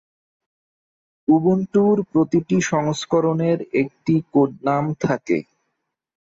উবুন্টুর প্রতিটি সংস্করণের একটি কোড নাম থাকে।